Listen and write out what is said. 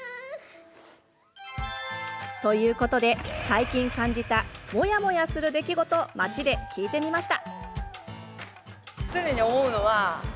ということで最近感じたモヤモヤする出来事街で聞いてみました。